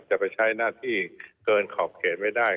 จะไปใช้หน้าที่เกินขอบเขตไม่ได้